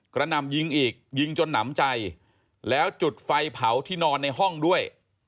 หนำยิงอีกยิงจนหนำใจแล้วจุดไฟเผาที่นอนในห้องด้วย